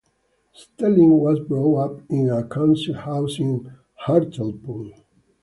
Stelling was brought up in a council house in Hartlepool.